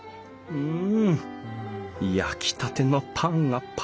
うん！